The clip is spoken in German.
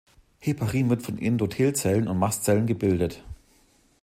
Heparin wird von Endothelzellen und Mastzellen gebildet.